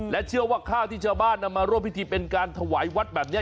เชื่อว่าข้าวที่ชาวบ้านนำมาร่วมพิธีเป็นการถวายวัดแบบนี้